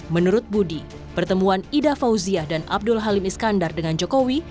menurut budi pertemuan ida fauziah dan abdul halim iskandar dengan jokowi